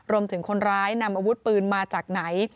คนร้ายนำอาวุธปืนมาจากไหน